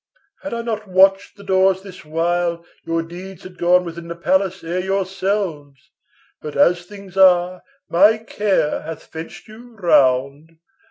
Had I not watched the doors this while, your deeds Had gone within the palace ere yourselves. But, as things are, my care hath fenced you round.